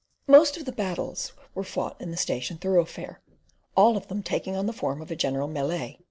Most of the battles were fought in the station thoroughfare, all of them taking on the form of a general melee.